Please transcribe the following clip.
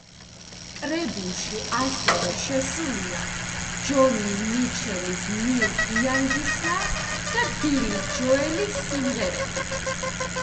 კრებულში ასევე შესულია ჯონი მიჩელის ნილ იანგისა და ბილი ჯოელის სიმღერები.